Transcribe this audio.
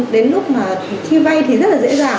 đến lúc mà chi vay thì rất là dễ dàng